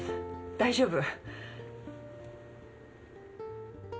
大丈夫。